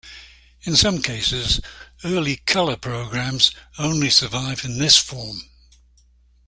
In some cases, early colour programmes only survive in this form.